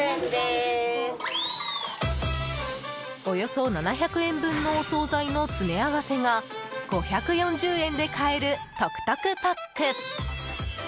およそ７００円分のお総菜の詰め合わせが５４０円で買える、得々パック。